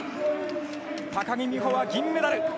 高木美帆は銀メダル！